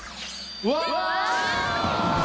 うわ！